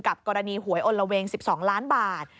กับกรณีหวยอ่นระเวง๑๒ล้านบาท